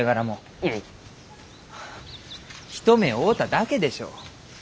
はあ一目会うただけでしょう？